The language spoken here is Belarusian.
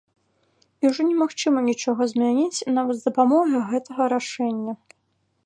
І ўжо не магчыма нічога змяніць, нават з дапамогай гэтага рашэння.